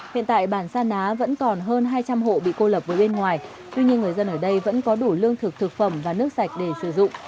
hiện tại bản sa ná vẫn còn hơn hai trăm linh hộ bị cô lập với bên ngoài tuy nhiên người dân ở đây vẫn có đủ lương thực thực phẩm và nước sạch để sử dụng